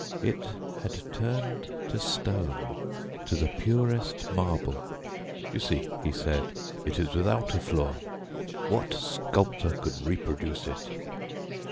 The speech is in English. It had turned to stone, to the purest marble. "You see," he said, "it is without a flaw. What sculptor could reproduce it?"